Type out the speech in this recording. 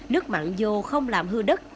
nước mặn vô không làm hư đất